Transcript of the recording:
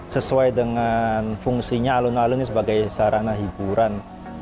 sesuai dengan fungsinya alun alun ini sebagai sarana hiburan